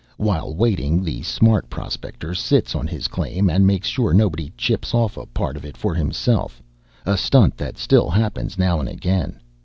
While waiting, the smart prospector sits on his claim and makes sure nobody chips off a part of it for himself, a stunt that still happens now and again.